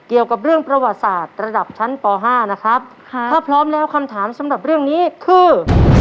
เกี่ยวกับเรื่องประวัติศาสตร์ระดับชั้นป๕นะครับค่ะถ้าพร้อมแล้วคำถามสำหรับเรื่องนี้คือ